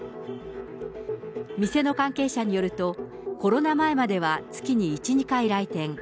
店の関係者によると、コロナ前までは月に１、２回来店。